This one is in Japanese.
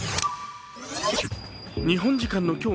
日本時間の今日